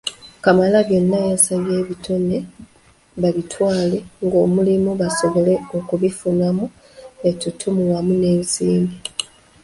Kamalabyonna yabasabye ebitone babitwale ng'omulimu basobole okubifunamu ettutumu wamu n'ensimbi.